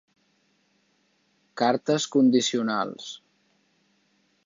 Cartes condicionals.